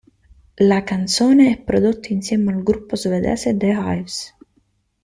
La canzone è prodotta insieme al gruppo svedese The Hives.